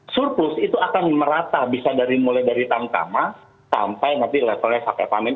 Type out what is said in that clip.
surplus itu akan merata bisa mulai dari tangkama sampai nanti levelnya sampai pamen